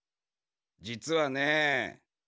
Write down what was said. じつはね。